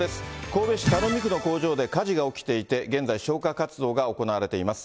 神戸市垂水区の工場で火事が起きていて、現在、消火活動が行われています。